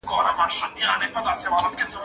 زه به سبا درسونه ولوستم!؟